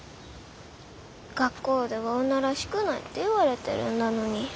学校では女らしくないって言われてるんだのに。